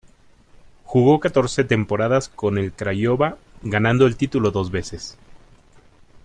Jugó catorce temporadas con el Craiova, ganando el título dos veces.